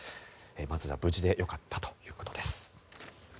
まずは無事でよかったということです。